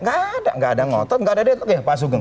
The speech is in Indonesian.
gak ada gak ada ngotot gak ada deadlock ya pak sugeng